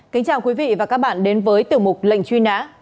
kính chào quý vị và các bạn đến với tiểu mục lệnh truy nã